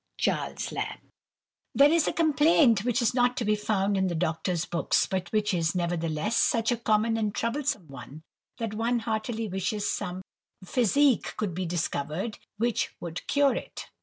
CHARLES LAMB. THERE is a complaint which is not to be found in the doctor's books, but which is, nevertheless, such a common and troublesome one, that one heartily wishes some physic could be discovered which would cure it.